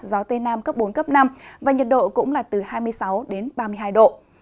gió tây nam cấp bốn năm và nhiệt độ cũng là từ hai mươi sáu ba mươi hai độ